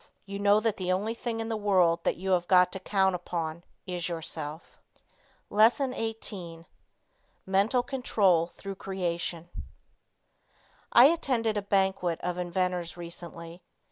You know that the only thing in the world that you have got to count upon is yourself. LESSON XVIII. MENTAL CONTROL THROUGH CREATION I attended a banquet of inventors recently.